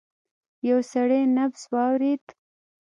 يو سړی نبض واورېد.